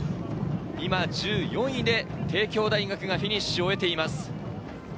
１４位で帝京大学がフィニッシュを終えています。